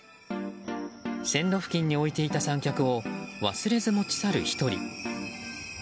線路付近に置いていた三脚を忘れず持ち去る１人。